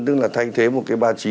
tức là thay thế một cái ba mươi chín